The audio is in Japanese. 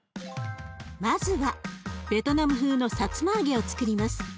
まずはベトナム風のさつま揚げをつくります。